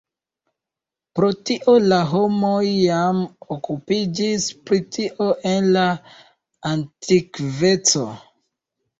Pro tio la homoj jam okupiĝis pri tio en la antikveco.